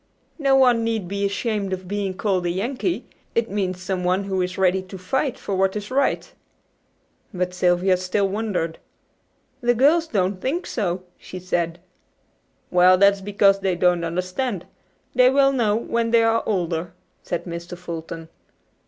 No one need be ashamed of being called a 'Yankee.' It means someone who is ready to fight for what is right." But Sylvia still wondered. "The girls don't think so," she said. "Well, that is because they don't understand. They will know when they are older," said Mr. Fulton.